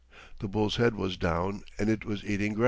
The bull's head was down, and it was eating grass.